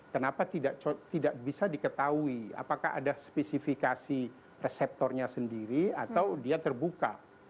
kenapa tidak bisa diketahui apakah ada spesifikasi reseptornya sendiri atau dia terbuka